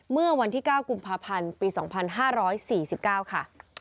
เมื่อวันที่๙กุมภาพันธ์ปี๒๕๔๙ค่ะ